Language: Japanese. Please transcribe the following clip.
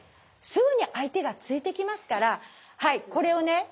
すぐに相手が突いてきますからこれをね